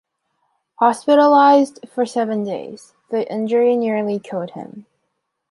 Hospitalized for seven days, the injury nearly killed him.